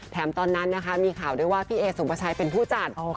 ตอนนั้นนะคะมีข่าวด้วยว่าพี่เอสุภาชัยเป็นผู้จัด